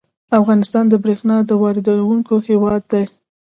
افغانستان د بریښنا واردونکی هیواد دی